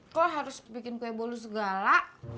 kok harus bikin kue bolu segala